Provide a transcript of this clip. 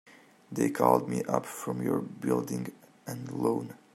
They called me up from your Building and Loan.